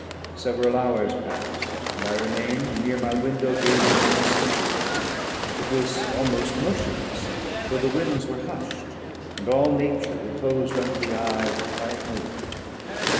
Several hours passed, and I remained near my window gazing on the sea; it was almost motionless, for the winds were hushed, and all nature reposed under the eye of the quiet moon.